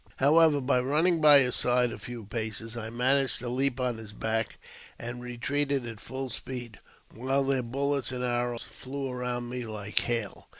However, by running by his side a few paces, I managed to leap on his back, and retreated at full speed, while their bullets and arrows flew around me like hail.